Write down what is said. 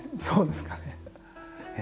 そうですかね。